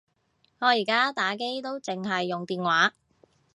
我而家打機都剩係用電話